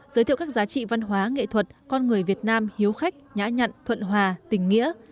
giới thiệu các giá trị văn hóa nghệ thuật con người việt nam hiếu khách nhã nhận thuận hòa tỉnh nghĩa